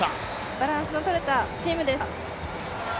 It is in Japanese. バランスのとれたチームです。